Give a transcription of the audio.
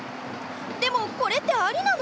でもこれってありなの？